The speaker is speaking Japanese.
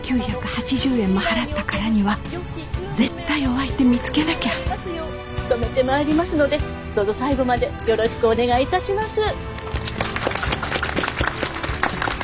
６，９８０円も払ったからには絶対お相手見つけなきゃどうぞ最後までよろしくお願いいたします。